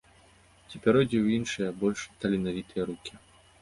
Ці пяройдзе ў іншыя, больш таленавітыя рукі.